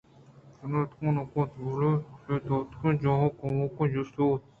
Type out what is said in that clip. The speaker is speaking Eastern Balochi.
پاداتک نہ کُت بلئے چہ تکہ داتگیں جاہ ءَ کموکیں چست بوت